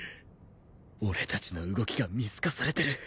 俺たちの動きが見透かされてる？